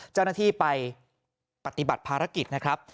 เจ้าหน้าที่ไปปฏิบัติภารกิจนะครับ